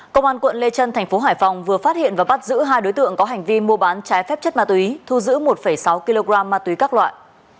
công an quận lê trân thành phố hải phòng vừa phát hiện và bắt giữ hai đối tượng có hành vi mua bán trái phép chất ma túy thu giữ một sáu kg ma túy các loại